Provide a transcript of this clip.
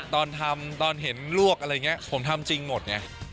ตอนทำตอนเห็นลวกผมทำจริงหมด